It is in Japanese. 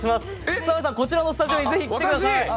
澤部さん、こちらのスタジオに来てください！